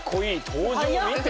登場見て？